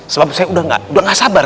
sebab saya udah gak sabar